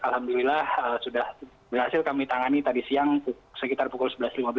alhamdulillah sudah berhasil kami tangani tadi siang sekitar pukul sebelas lima belas